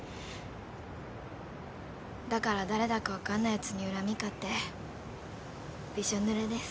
だから誰だか分かんないやつに恨み買ってびしょぬれです。